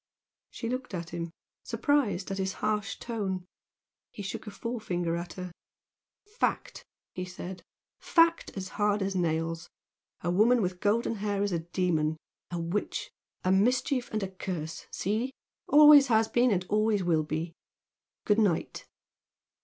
She looked at him, surprised at his harsh tone. He shook his forefinger at her. "Fact!" he said "Fact as hard as nails! A woman with golden hair is a demon a witch a mischief and a curse! See? Always has been and always will be! Good night!"